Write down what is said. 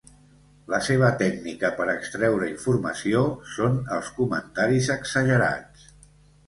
La seva tècnica per extreure informació són els comentaris exagerats.